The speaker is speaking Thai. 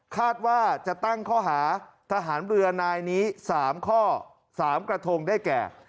คาดว่าจะตั้งข้อหาทหารเรือนายนี้๓ข้อ๓กระทงได้แก่